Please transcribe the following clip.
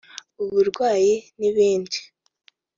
uburwayi n’ibindi